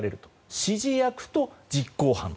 指示役と実行犯。